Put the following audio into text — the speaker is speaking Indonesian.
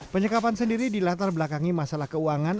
penyekapan sendiri dilatar belakangi masalah keuangan